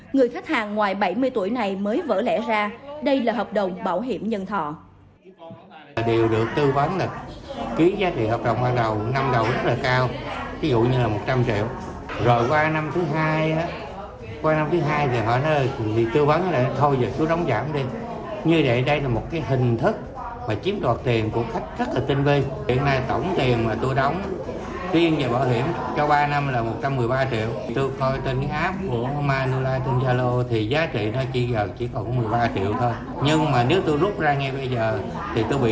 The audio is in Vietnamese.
người khách hàng ngoài bảy mươi tuổi này mới vỡ lẽ ra đây là hợp đồng bảo hiểm nhân thọ